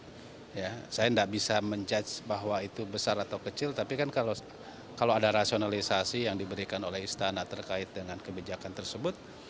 saya tidak bisa menjudge bahwa itu besar atau kecil tapi kan kalau ada rasionalisasi yang diberikan oleh istana terkait dengan kebijakan tersebut